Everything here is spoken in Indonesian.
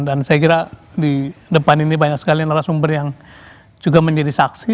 dan saya kira di depan ini banyak sekali narasumber yang juga menjadi saksi